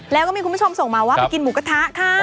แล้วก็มีคุณผู้ชมส่งมาว่าไปกินหมูกระทะค่ะ